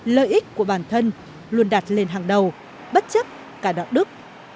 lợi ích của bản thân luôn đặt lên hàng đầu bất chấp cả đạo đức